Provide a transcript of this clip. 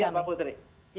iya pak putri